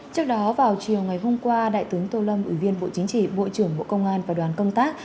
trước đó vào chiều ngày hôm qua đại tướng tô lâm ủy viên bộ chính trị bộ trưởng bộ công an và đoàn công tác